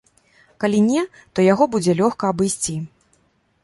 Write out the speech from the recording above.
Калі не, то яго будзе лёгка абысці.